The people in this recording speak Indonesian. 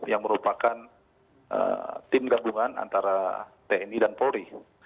yang merupakan tim gabungan antara tni dan polri